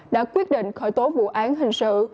đã quyết định khởi tố vụ án hình sự